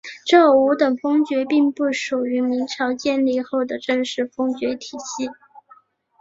这五等封爵并不属于明朝建立后的正式封爵体系。